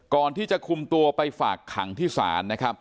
ก่อนที่จะคุมตัวไปฝากขังที่ศาล